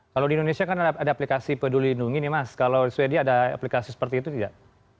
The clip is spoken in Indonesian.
kalau di indonesia kan ada aplikasi peduli lindungi nih mas kalau di sweden ada aplikasi seperti itu tidak